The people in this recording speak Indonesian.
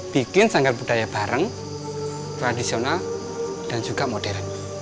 bikin sanggar budaya bareng tradisional dan juga modern